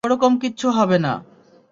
ওরকম কিচ্ছু হবে না।